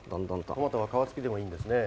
トマトは皮付きでもいいんですね。